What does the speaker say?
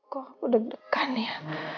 kok deg degan ya